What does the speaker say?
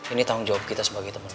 ini tanggung jawab kita sebagai temen lo